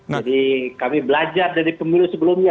jadi kami belajar dari pemilu sebelumnya